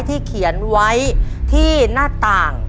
ที่เขียนไว้ที่หน้าต่าง